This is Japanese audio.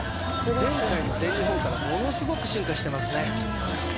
前回の全日本からものすごく進化してますね